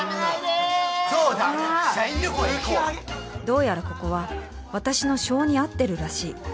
どうやらここは私の性に合ってるらしい。